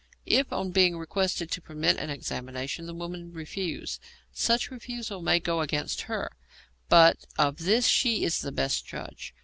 If, on being requested to permit an examination, the woman refuse, such refusal may go against her, but of this she is the best judge.